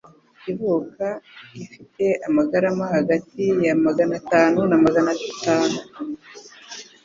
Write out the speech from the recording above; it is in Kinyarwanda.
Ivuka ifite amagarama hagati ya maganatatu na maganatanu